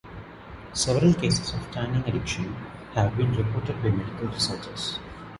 Several cases of tanning addiction have been reported by medical researchers.